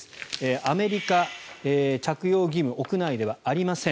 アメリカ、着用義務屋内ではありません。